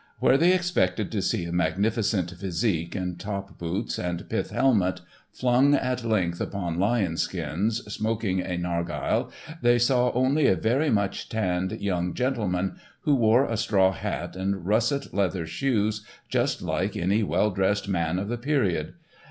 Where they expected to see a "magnificent physique" in top boots and pith helmet, flung at length upon lion skins, smoking a nargile, they saw only a very much tanned young gentleman, who wore a straw hat and russet leather shoes just like any well dressed man of the period.